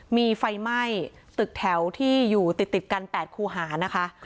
มีไฟไหม้ตึกแถวที่อยู่ติดกัน๘คูหานะคะ